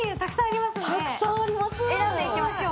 選んでいきましょう。